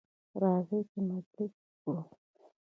راځئ چې مجلس وکړو.